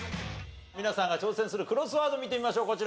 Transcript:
皆さんが挑戦するクロスワード見てみましょう。